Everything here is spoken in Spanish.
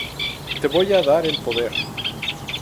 Te voy a dar el poder".